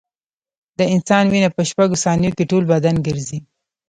د انسان وینه په شپږو ثانیو کې ټول بدن ګرځي.